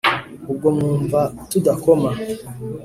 ubwo mwumva• tudakoma